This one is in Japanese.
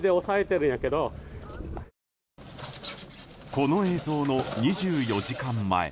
この映像の２４時間前。